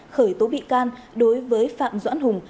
khởi tố bị can đối với phạm doãn hùng